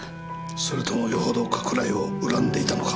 それともよほど加倉井を恨んでいたのか。